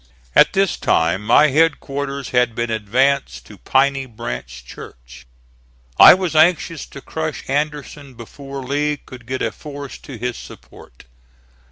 At this time my headquarters had been advanced to Piney Branch Church. I was anxious to crush Anderson before Lee could get a force to his support.